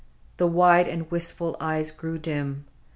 — The wide and wistful eyes grew dim.